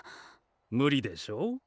無理でしょう。